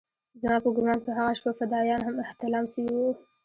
زما په ګومان په هغه شپه فدايان هم احتلام سوي وو.